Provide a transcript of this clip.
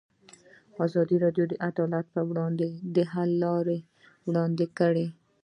ازادي راډیو د عدالت پر وړاندې د حل لارې وړاندې کړي.